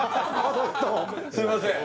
すいません